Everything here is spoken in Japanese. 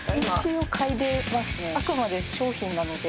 「あくまで商品なので」